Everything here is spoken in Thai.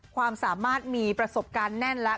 ความสามารถมีประสบการณ์แน่นแล้ว